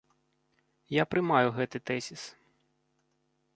Я прымаю гэты тэзіс.